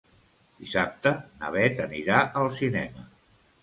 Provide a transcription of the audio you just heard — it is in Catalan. Dissabte na Beth anirà al cinema.